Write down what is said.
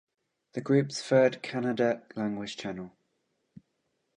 The group's third Kannada-language channel.